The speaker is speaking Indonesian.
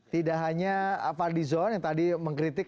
tidak hanya van lizon yang tadi mengkritik